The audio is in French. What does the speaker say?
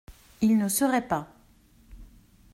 Il ne seraient pas.